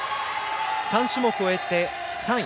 ３種目を終えて３位。